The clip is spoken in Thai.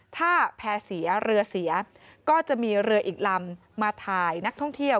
ถ้าแพร่เสียเรือเสียก็จะมีเรืออีกลำมาถ่ายนักท่องเที่ยว